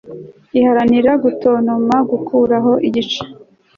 Iharanira gutontoma gukuraho igice